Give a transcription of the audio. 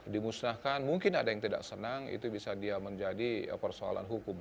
dimusnahkan mungkin ada yang tidak senang itu bisa dia menjadi persoalan hukum